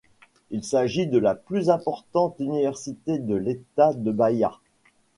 Il s'agit de la plus importante université de l'État de Bahia.